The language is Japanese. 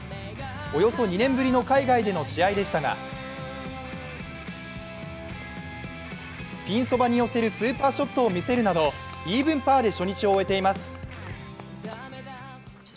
およそ２年ぶりの海外での試合でしたがピンそばに寄せるスーパーショットを見せるなどイーブンパーで初日を終えています。